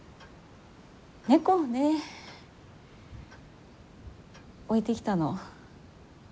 猫をね置いてきたの。